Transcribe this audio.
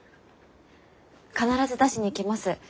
必ず出しに来ます。